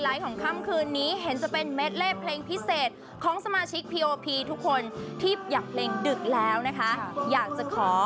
ใจของฉันนั้นรักเธอนั้นแต่ว่าไม่พบหน้าสงสัยมากกว่าเกิน